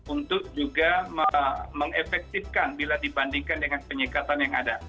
untuk juga mengefektifkan bila dibandingkan dengan penyekatan yang ada